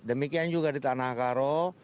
demikian juga di tanah karo